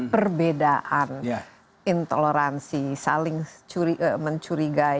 perbedaan intoleransi saling mencurigai